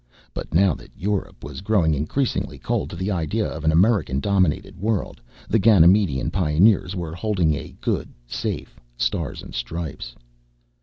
But now that Europe was growing increasingly cold to the idea of an American dominated world, the Ganymedean pioneers were holding a good safe Stars and Stripes.